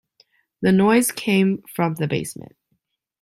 The noise came from the basement.